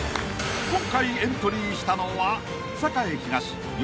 ［今回エントリーしたのは］